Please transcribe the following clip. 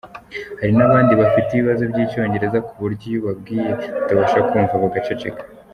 Hari n’abandi bafite ibibazo by’Icyongereza ku buryo iyo ubabwiye batabasha kumva bagaceceka”.